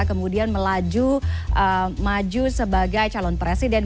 kemudian melaju maju sebagai calon presiden